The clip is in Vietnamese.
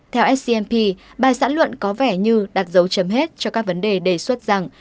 theo scmp bài sản luận có vẻ như đặt dấu chấm hết cho các vấn đề đề xuất rằng